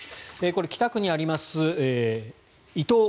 これは北区にありますいとう